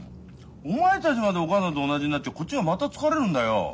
お前たちまでお母さんと同じになっちゃこっちがまた疲れるんだよ。